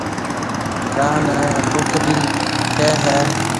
گاها نَي ڪک ڀِي ڪهيَ هيَ۔